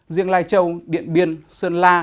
riêng lai châu điện biên sơn la